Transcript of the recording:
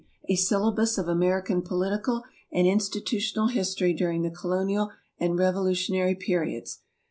V. "A Syllabus of American Political and Institutional History During the Colonial and Revolutionary Periods."